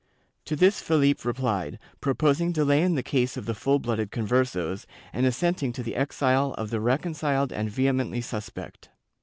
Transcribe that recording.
To this Philip replied, proposing delay in the case of the full blooded Conversos, and assenting to the exile of the reconciled and vehemently suspect.